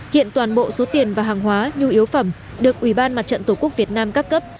hiện toàn bộ số tiền và hàng hóa nhu yếu phẩm được ubnd tổ quốc việt nam các cấp